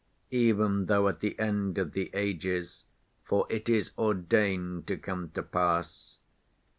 Even though at the end of the ages, for it is ordained to come to pass!